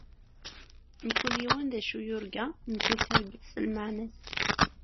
Mkul yiwen d acu yurga, mkul targit s lmeɛna-s.